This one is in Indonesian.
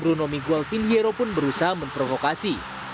bruno miguel pindhero pun berusaha memprovokasi